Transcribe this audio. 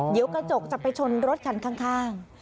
เดี๋ยวกระจกจะไปชนรถคันข้าง